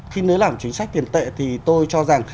khi nếu làm chính sách tiền tệ thì tôi cho rằng